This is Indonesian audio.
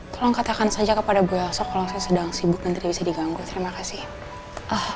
tolong katakan saja kepada bu elsa kalau saya sedang sibuk dan tidak bisa diganggu terima kasih